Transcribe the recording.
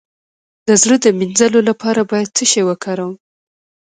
د زړه د مینځلو لپاره باید څه شی وکاروم؟